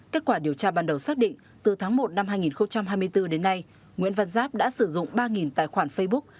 kết quả điều tra ban đầu xác định từ tháng một năm hai nghìn hai mươi bốn đến nay nguyễn văn giáp đã sử dụng ba tài khoản facebook